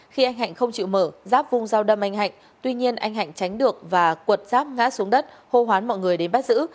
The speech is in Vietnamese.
khi anh hạnh không chịu mở giáp vùng dao đâm anh hạnh tuy nhiên anh hạnh tránh được và cuột giáp ngã xuống đất hô hoán mọi người đến bắt giữ